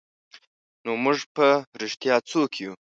نو موږ په رښتیا څوک یو؟